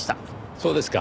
そうですか。